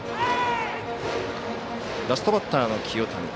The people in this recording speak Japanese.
ラストバッターの清谷。